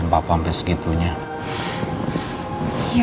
udah lama sih tapi